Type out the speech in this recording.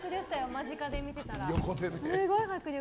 間近で見てたら。